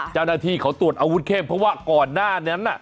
เจ้าหน้าที่เขาตรวจอาวุธเข้มเพราะว่าก่อนหน้านั้นน่ะ